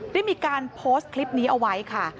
ได้มีการโพสต์คลิปนี้เอาไว้ค่ะ